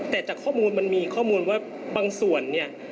แต่จากข้อมูลมันมีข้อมูลว่าบางส่วนเนี่ย